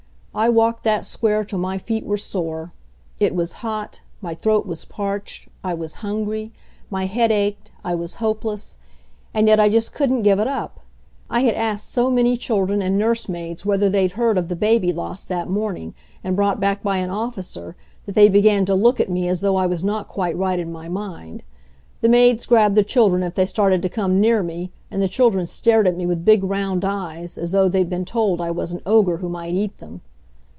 I walked that Square till my feet were sore. It was hot. My throat was parched. I was hungry. My head ached. I was hopeless. And yet I just couldn't give it up. I had asked so many children and nurse maids whether they'd heard of the baby lost that morning and brought back by an officer, that they began to look at me as though I was not quite right in my mind. The maids grabbed the children if they started to come near me, and the children stared at me with big round eyes, as though they'd been told I was an ogre who might eat them.